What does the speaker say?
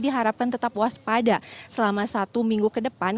diharapkan tetap waspada selama satu minggu ke depan